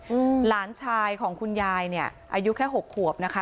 อืมหลานชายของคุณยายเนี้ยอายุแค่หกขวบนะคะ